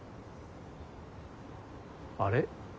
あれ？